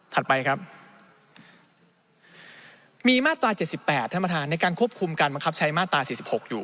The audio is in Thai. ไปครับมีมาตรา๗๘ท่านประธานในการควบคุมการบังคับใช้มาตรา๔๖อยู่